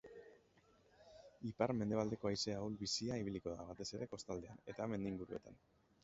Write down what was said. Ipar-mendebaldeko haize ahul-bizia ibiliko da, batez ere kostaldean eta mendi inguruetan.